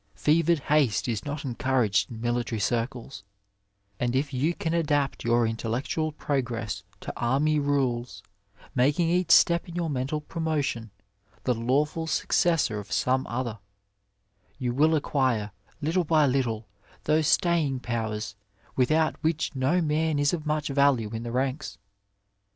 Fevered haste is not en couraged in military circles, and if you can adapt your mtellectual progress to army rules, making each step in your mental promotion the lawful successor of some other, you will acquire little by little those staying powers without which no man is of much value in the ranks.